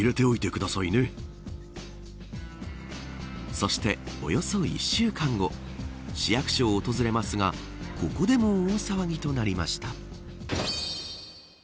そして、およそ１週間後市役所を訪れますがここでも大騒ぎとなりました。